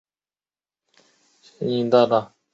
高氯酸镍可由高氯酸和氢氧化镍或碳酸镍反应得到。